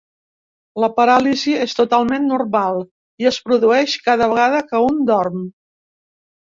La paràlisi és totalment normal i es produeix cada vegada que un dorm.